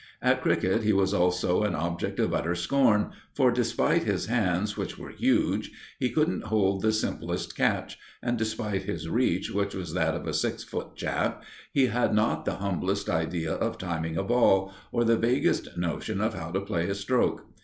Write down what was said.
At cricket he was also an object of utter scorn, for despite his hands, which were huge, he couldn't hold the simplest catch; and despite his reach, which was that of a six foot chap, he had not the humblest idea of timing a ball, or the vaguest notion of how to play a stroke.